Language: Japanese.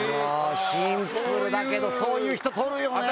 シンプルだけどそういう人取るよね。